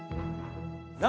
何？